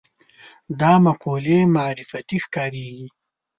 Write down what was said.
دا مقولې معرفتي ښکارېږي